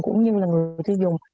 cũng như là người sử dụng